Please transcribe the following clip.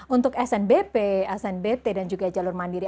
untuk snbp snbt dan juga jalur mandiri